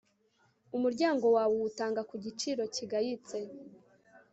umuryango wawe uwutanga ku giciro kigayitse